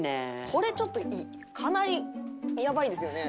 「これちょっとかなりやばいですよね」